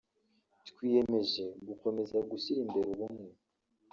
twiyemeje gukomeza gushyira imbere ubumwe